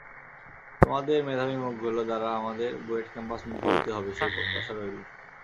তোমাদের মেধাবী মুখগুলো দ্বারা আমাদের বুয়েট ক্যাম্পাস মুখরিত হবে, সেই প্রত্যশা রইল।